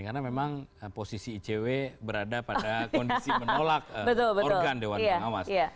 karena memang posisi icw berada pada kondisi menolak organ dewan pengawas